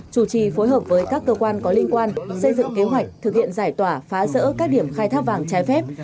chủ trì phối hợp với các cơ quan có liên quan xây dựng kế hoạch thực hiện giải tỏa phá rỡ các điểm khai thác vàng trái phép